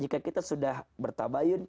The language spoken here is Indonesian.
jika kita sudah bertabayun